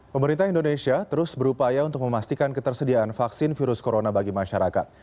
pemerintah indonesia terus berupaya untuk memastikan ketersediaan vaksin virus corona bagi masyarakat